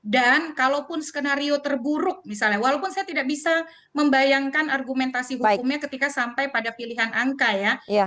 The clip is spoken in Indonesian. dan kalaupun skenario terburuk misalnya walaupun saya tidak bisa membayangkan argumentasi hukumnya ketika sampai pada pilihan angka ya